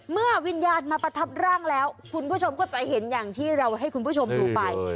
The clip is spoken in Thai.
วิญญาณมาประทับร่างแล้วคุณผู้ชมก็จะเห็นอย่างที่เราให้คุณผู้ชมดูไป